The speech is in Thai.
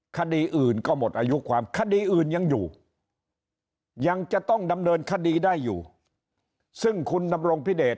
คดีอื่นก็หมดอายุความคดีอื่นยังอยู่ยังจะต้องดำเนินคดีได้อยู่ซึ่งคุณดำรงพิเดช